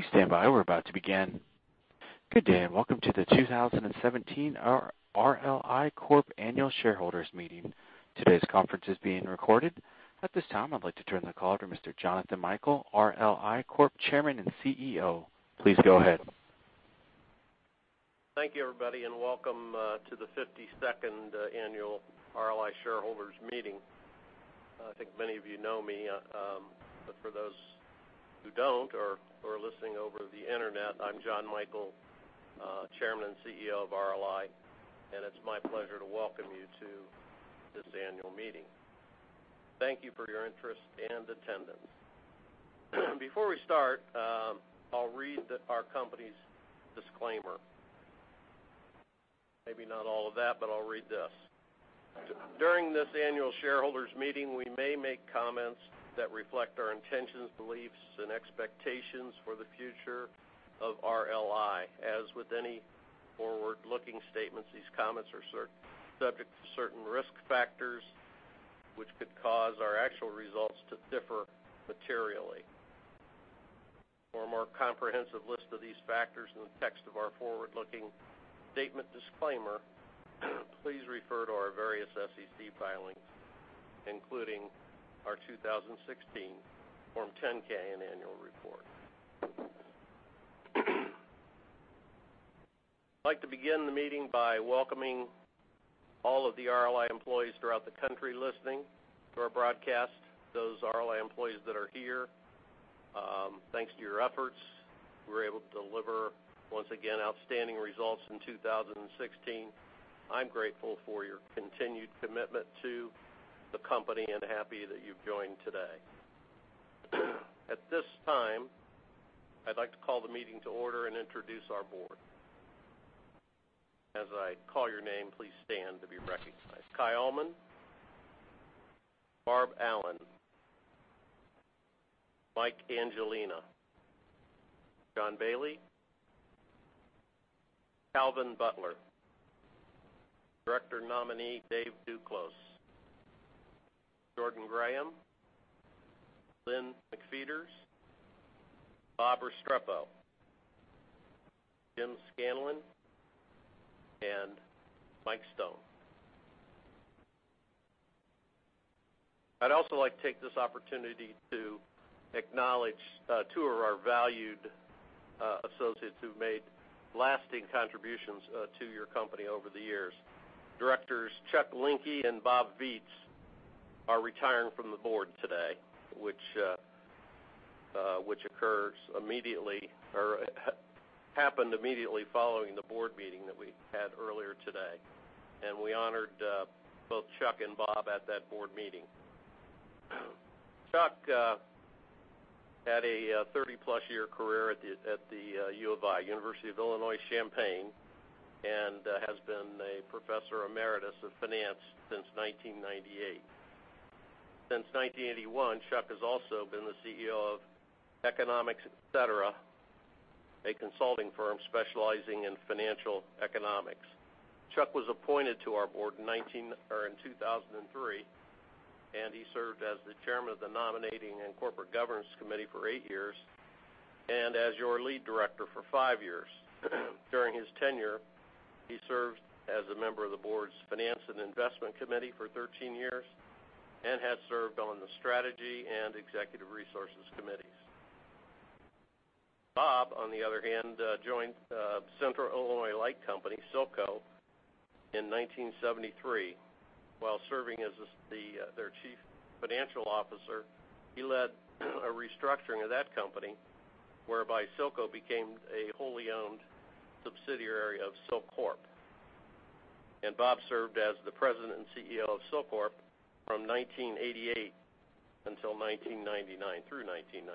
Please stand by. We're about to begin. Good day, welcome to the 2017 RLI Corp. Annual Shareholders Meeting. Today's conference is being recorded. At this time, I'd like to turn the call over to Mr. Jonathan Michael, RLI Corp. Chairman and CEO. Please go ahead. Thank you, everybody, welcome to the 52nd annual RLI shareholders meeting. I think many of you know me, but for those who don't or who are listening over the internet, I'm Jon Michael, Chairman and CEO of RLI, it's my pleasure to welcome you to this annual meeting. Thank you for your interest and attendance. Before we start, I'll read our company's disclaimer. Maybe not all of that, but I'll read this. During this annual shareholders meeting, we may make comments that reflect our intentions, beliefs, and expectations for the future of RLI. As with any forward-looking statements, these comments are subject to certain risk factors, which could cause our actual results to differ materially. For a more comprehensive list of these factors in the text of our forward-looking statement disclaimer, please refer to our various SEC filings, including our 2016 Form 10-K and annual report. I'd like to begin the meeting by welcoming all of the RLI employees throughout the country listening to our broadcast. Those RLI employees that are here, thanks to your efforts, we were able to deliver, once again, outstanding results in 2016. I'm grateful for your continued commitment to the company and happy that you've joined today. At this time, I'd like to call the meeting to order and introduce our board. As I call your name, please stand to be recognized. Kaj Ahlmann, Barb Allen, Mike Angelina, John Baily, Calvin Butler, Director Nominee Dave Duclos, Jordan Graham, Lynn McFeatters, Bob Restrepo, Jim Scanlan, and Mike Stone. I'd also like to take this opportunity to acknowledge two of our valued associates who've made lasting contributions to your company over the years. Directors Chuck Linke and Bob Viets are retiring from the board today, which happened immediately following the board meeting that we had earlier today, we honored both Chuck and Bob at that board meeting. Chuck had a 30-plus-year career at the U of I, University of Illinois Urbana-Champaign, and has been a Professor Emeritus of Finance since 1998. Since 1981, Chuck has also been the CEO of Economics Et Cetera, a consulting firm specializing in financial economics. Chuck was appointed to our board in 2003, he served as the Chairman of the Nominating & Corporate Governance Committee for eight years and as your Lead Director for five years. During his tenure, he served as a member of the board's Finance & Investment Committee for 13 years and has served on the Strategy and Executive Resources Committees. Bob, on the other hand, joined Central Illinois Light Company, CILCO, in 1973. While serving as their Chief Financial Officer, he led a restructuring of that company, whereby CILCO became a wholly owned subsidiary of CILCORP, and Bob served as the President and CEO of CILCORP from 1988 through 1999.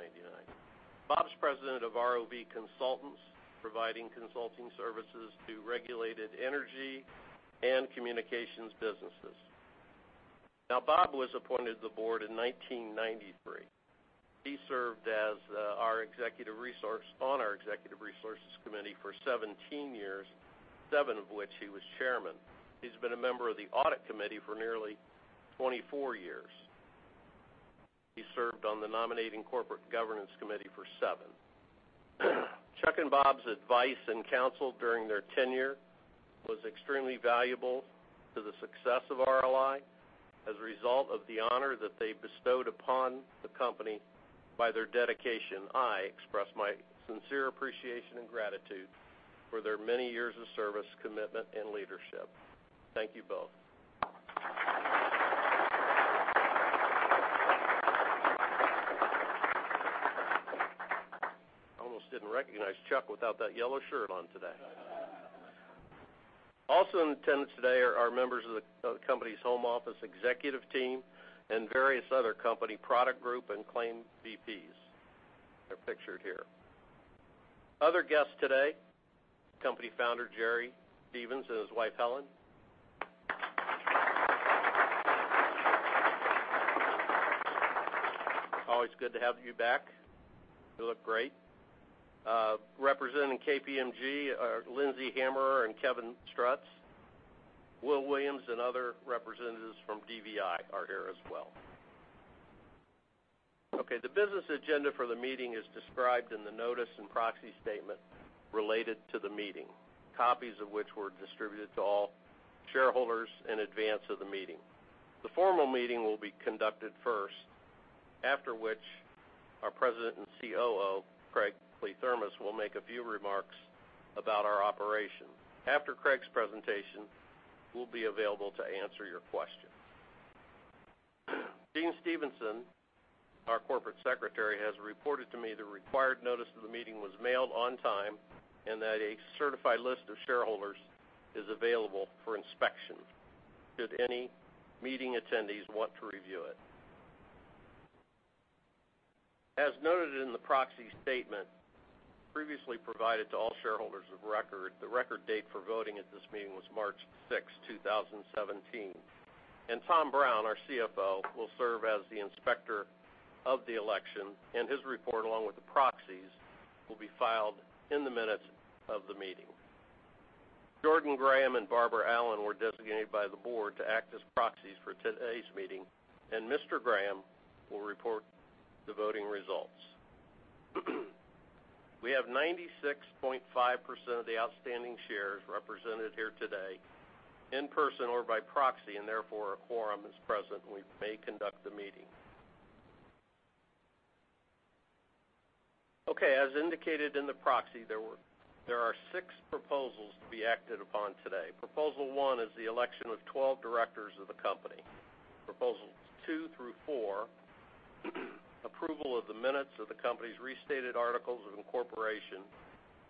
Bob is President of ROV Consultants, providing consulting services to regulated energy and communications businesses. Bob was appointed to the board in 1993. He served on our Executive Resources Committee for 17 years, seven of which he was chairman. He has been a member of the Audit Committee for nearly 24 years. He served on the Nominating/Corporate Governance Committee for seven. Chuck and Bob's advice and counsel during their tenure was extremely valuable to the success of RLI. As a result of the honor that they bestowed upon the company by their dedication, I express my sincere appreciation and gratitude for their many years of service, commitment, and leadership. Thank you both. I almost didn't recognize Chuck without that yellow shirt on today. Also in attendance today are our members of the company's home office executive team and various other company product group and claim VPs. They are pictured here. Other guests today, company founder Jerry Stephens and his wife, Helen. Always good to have you back. You look great. Representing KPMG are Lindsay Hammer and Kevin Strutz. Will Williams and other representatives from DVI are here as well. The business agenda for the meeting is described in the notice and proxy statement related to the meeting, copies of which were distributed to all shareholders in advance of the meeting. The formal meeting will be conducted first, after which our President and COO, Craig Kliethermes, will make a few remarks about our operation. After Craig's presentation, we will be available to answer your questions. Dean Stevenson, our Corporate Secretary, has reported to me the required notice of the meeting was mailed on time, and that a certified list of shareholders is available for inspection should any meeting attendees want to review it. As noted in the proxy statement previously provided to all shareholders of record, the record date for voting at this meeting was March 6, 2017. Tom Brown, our CFO, will serve as the Inspector of the election, and his report, along with the proxies, will be filed in the minutes of the meeting. Jordan Graham and Barbara Allen were designated by the board to act as proxies for today's meeting, and Mr. Graham will report the voting results. We have 96.5% of the outstanding shares represented here today in person or by proxy, and therefore, a quorum is present, and we may conduct the meeting. As indicated in the proxy, there are six proposals to be acted upon today. Proposal one is the election of 12 directors of the company. Proposals two through four, approval of the minutes of the company's restated articles of incorporation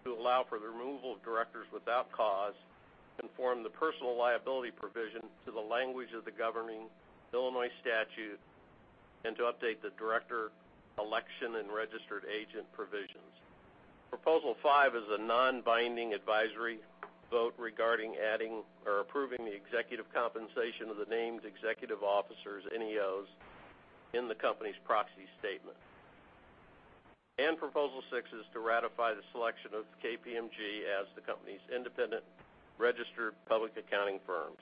to allow for the removal of directors without cause and conform the personal liability provision to the language of the governing Illinois statute and to update the director election and registered agent provisions. Proposal five is a non-binding advisory vote regarding adding or approving the executive compensation of the named executive officers, NEOs, in the company's proxy statement. Proposal six is to ratify the selection of KPMG as the company's independent registered public accounting firms.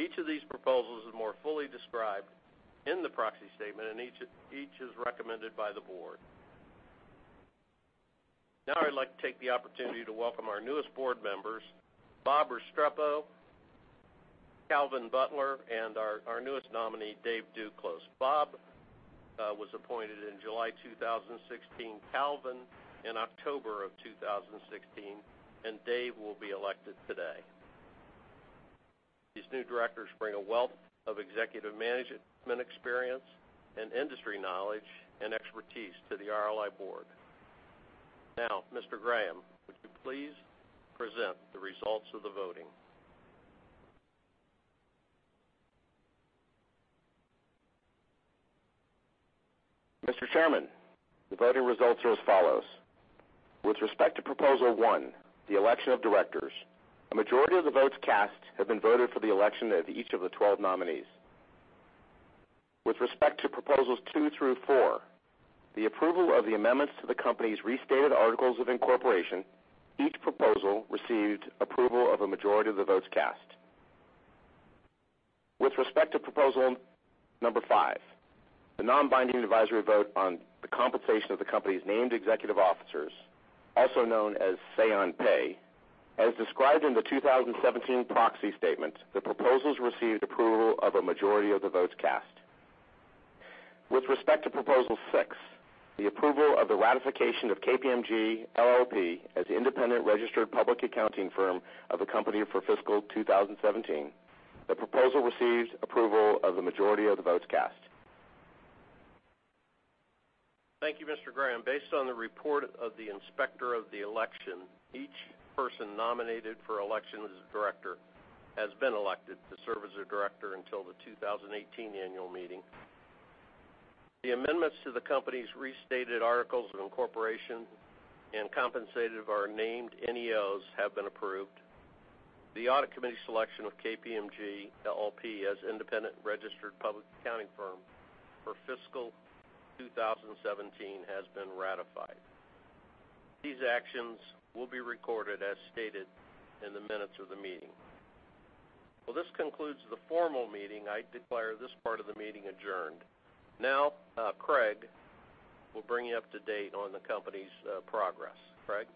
Each of these proposals is more fully described in the proxy statement, and each is recommended by the board. I'd like to take the opportunity to welcome our newest board members, Bob Restrepo, Calvin Butler, and our newest nominee, Dave Duclos. Bob was appointed in July 2016, Calvin in October of 2016, and Dave will be elected today. These new directors bring a wealth of executive management experience and industry knowledge and expertise to the RLI board. Mr. Graham, would you please present the results of the voting? Mr. Chairman, the voting results are as follows. With respect to proposal one, the election of directors, a majority of the votes cast have been voted for the election of each of the 12 nominees. With respect to proposals two through four, the approval of the amendments to the company's restated articles of incorporation, each proposal received approval of a majority of the votes cast. With respect to proposal number five, the non-binding advisory vote on the compensation of the company's named executive officers, also known as say on pay, as described in the 2017 proxy statement, the proposals received approval of a majority of the votes cast. With respect to proposal six, the approval of the ratification of KPMG LLP as the independent registered public accounting firm of the company for fiscal 2017, the proposal receives approval of the majority of the votes cast. Thank you, Mr. Graham. Based on the report of the Inspector of the election, each person nominated for election as a director has been elected to serve as a director until the 2018 annual meeting. The amendments to the company's restated articles of incorporation and compensation of our named NEOs have been approved. The Audit Committee selection of KPMG LLP as independent registered public accounting firm for fiscal 2017 has been ratified. These actions will be recorded as stated in the minutes of the meeting. This concludes the formal meeting. I declare this part of the meeting adjourned. Craig will bring you up to date on the company's progress. Craig?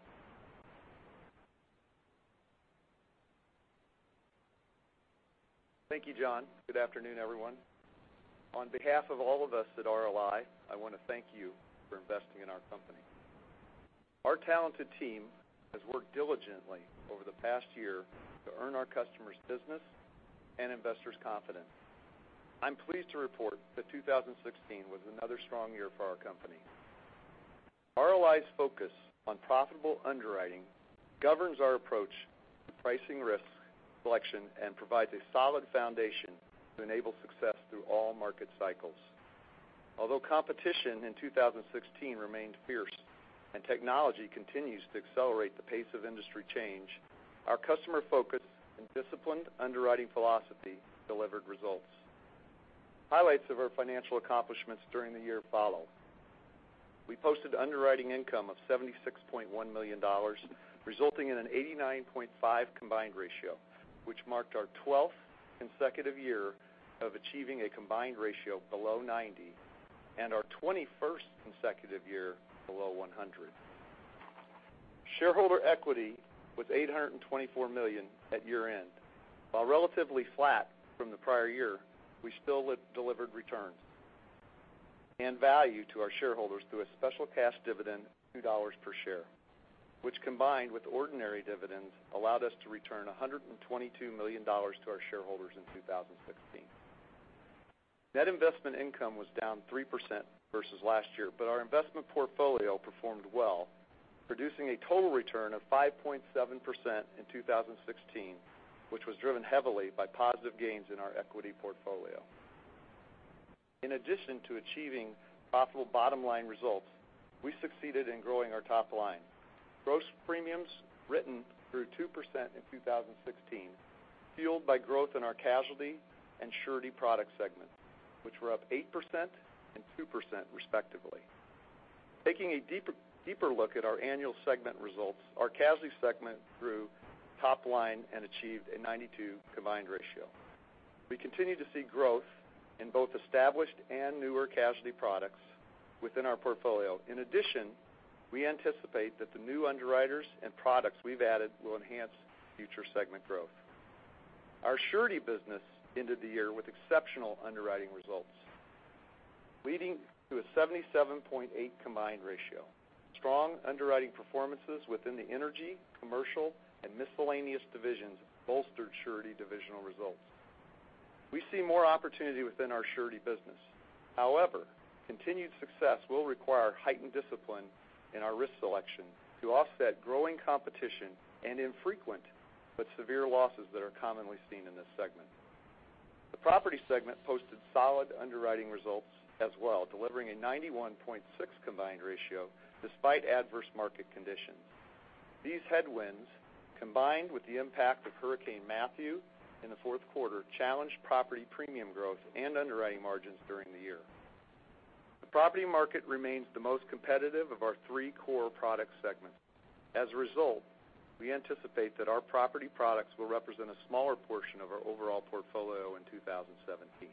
Thank you, Jon. Good afternoon, everyone. On behalf of all of us at RLI, I want to thank you for investing in our company. Our talented team has worked diligently over the past year to earn our customers' business and investors' confidence. I'm pleased to report that 2016 was another strong year for our company. RLI's focus on profitable underwriting governs our approach to pricing risk selection and provides a solid foundation to enable success through all market cycles. Although competition in 2016 remained fierce and technology continues to accelerate the pace of industry change, our customer focus and disciplined underwriting philosophy delivered results. Highlights of our financial accomplishments during the year follow. We posted underwriting income of $76.1 million, resulting in an 89.5 combined ratio, which marked our 12th consecutive year of achieving a combined ratio below 90 and our 21st consecutive year below 100. Shareholder equity was $824 million at year-end. While relatively flat from the prior year, we still delivered returns and value to our shareholders through a special cash dividend of $2 per share, which, combined with ordinary dividends, allowed us to return $122 million to our shareholders in 2016. Our investment portfolio performed well, producing a total return of 5.7% in 2016, which was driven heavily by positive gains in our equity portfolio. In addition to achieving profitable bottom-line results, we succeeded in growing our top line. Gross premiums written grew 2% in 2016, fueled by growth in our casualty and surety product segment, which were up 8% and 2% respectively. Taking a deeper look at our annual segment results, our casualty segment grew top line and achieved a 92 combined ratio. We continue to see growth in both established and newer casualty products within our portfolio. In addition, we anticipate that the new underwriters and products we've added will enhance future segment growth. Our surety business ended the year with exceptional underwriting results, leading to a 77.8 combined ratio. Strong underwriting performances within the energy, commercial, and miscellaneous divisions bolstered surety divisional results. We see more opportunity within our surety business. However, continued success will require heightened discipline in our risk selection to offset growing competition and infrequent but severe losses that are commonly seen in this segment. The property segment posted solid underwriting results as well, delivering a 91.6 combined ratio despite adverse market conditions. These headwinds, combined with the impact of Hurricane Matthew in the fourth quarter, challenged property premium growth and underwriting margins during the year. The property market remains the most competitive of our three core product segments. As a result, we anticipate that our property products will represent a smaller portion of our overall portfolio in 2017.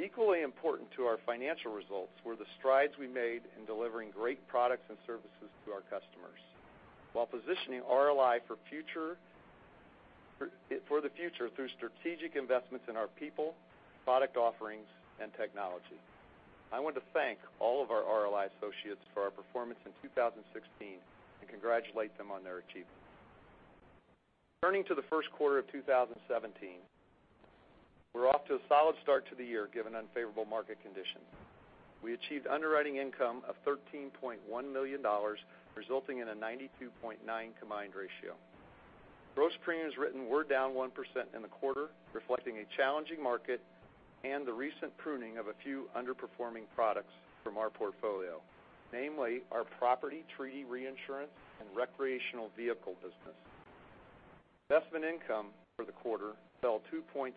Equally important to our financial results were the strides we made in delivering great products and services to our customers while positioning RLI for the future through strategic investments in our people, product offerings, and technology. I want to thank all of our RLI associates for our performance in 2016 and congratulate them on their achievements. Turning to the first quarter of 2017, we're off to a solid start to the year, given unfavorable market conditions. We achieved underwriting income of $13.1 million, resulting in a 92.9 combined ratio. Gross premiums written were down 1% in the quarter, reflecting a challenging market and the recent pruning of a few underperforming products from our portfolio, namely our property treaty reinsurance and recreational vehicle business. Investment income for the quarter fell 2.7%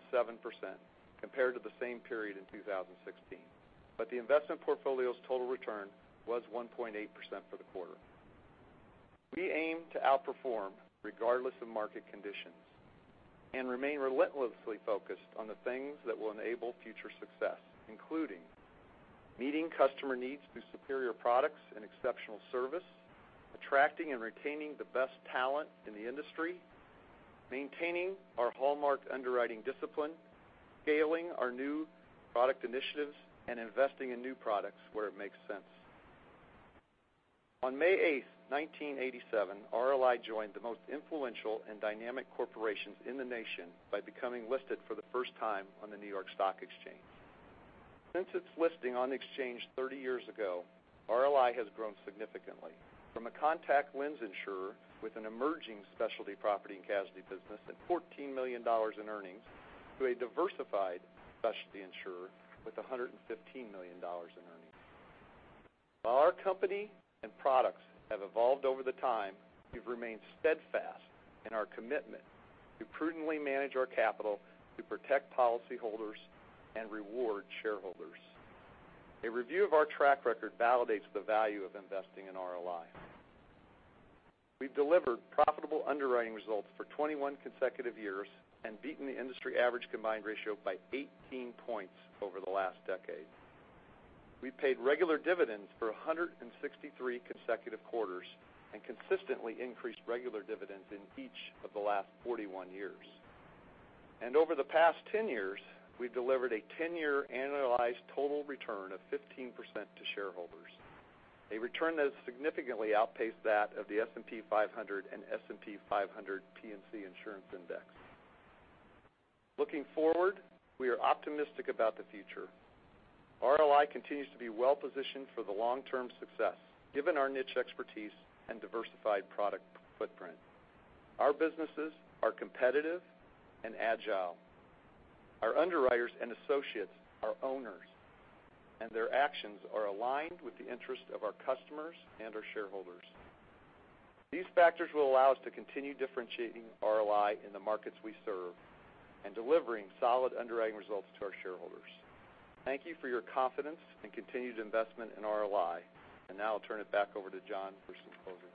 compared to the same period in 2016. The investment portfolio's total return was 1.8% for the quarter. We aim to outperform regardless of market conditions and remain relentlessly focused on the things that will enable future success, including meeting customer needs through superior products and exceptional service, attracting and retaining the best talent in the industry, maintaining our hallmark underwriting discipline, scaling our new product initiatives, and investing in new products where it makes sense. On May 8th, 1987, RLI joined the most influential and dynamic corporations in the nation by becoming listed for the first time on the New York Stock Exchange. Since its listing on the exchange 30 years ago, RLI has grown significantly from a contact lens insurer with an emerging specialty property and casualty business and $14 million in earnings to a diversified specialty insurer with $115 million in earnings. While our company and products have evolved over the time, we've remained steadfast in our commitment to prudently manage our capital, to protect policyholders and reward shareholders. A review of our track record validates the value of investing in RLI. We've delivered profitable underwriting results for 21 consecutive years and beaten the industry average combined ratio by 18 points over the last decade. We paid regular dividends for 163 consecutive quarters and consistently increased regular dividends in each of the last 41 years. Over the past 10 years, we've delivered a 10-year annualized total return of 15% to shareholders, a return that has significantly outpaced that of the S&P 500 and S&P 500 P&C Insurance Index. Looking forward, we are optimistic about the future. RLI continues to be well-positioned for the long-term success given our niche expertise and diversified product footprint. Our businesses are competitive and agile. Our underwriters and associates are owners, and their actions are aligned with the interest of our customers and our shareholders. These factors will allow us to continue differentiating RLI in the markets we serve and delivering solid underwriting results to our shareholders. Thank you for your confidence and continued investment in RLI. Now I'll turn it back over to John for some closing remarks.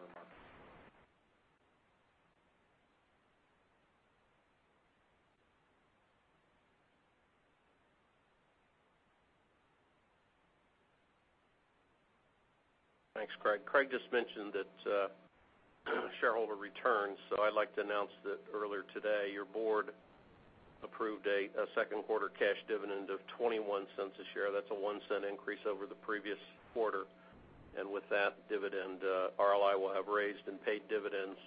Thanks, Craig. Craig just mentioned shareholder returns, so I'd like to announce that earlier today, your board approved a second quarter cash dividend of $0.21 a share. That's a $0.01 increase over the previous quarter. With that dividend, RLI will have raised and paid dividends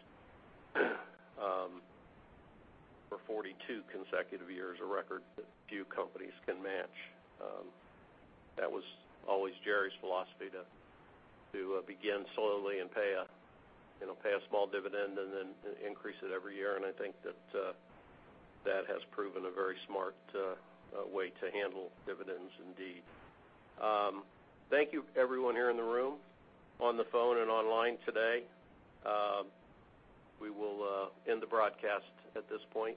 for 42 consecutive years, a record that few companies can match. That was always Jerry's philosophy to begin slowly and pay a small dividend and then increase it every year, I think that has proven a very smart way to handle dividends indeed. Thank you everyone here in the room, on the phone, and online today. We will end the broadcast at this point